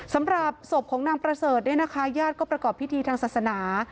สำหรับศพของนางประเสริฐยาดก็ประกอบพิธีทางศาสนา